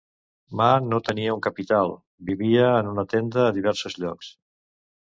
Ma no tenia una capital, vivia en una tenda a diversos llocs.